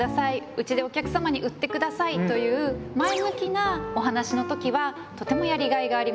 うちでお客様に売ってください」という前向きなお話の時はとてもやりがいがあります。